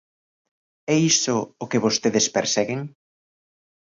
¿É iso o que vostedes perseguen?